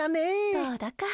どうだか。